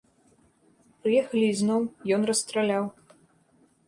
Прыехалі ізноў, ён расстраляў.